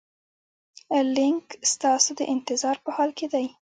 لینک ستاسو د انتظار په حال کې دی.